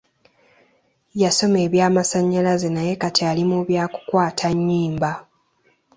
Yasoma eby'amasannyalaze naye kati ali mu byakukwata nnyimba.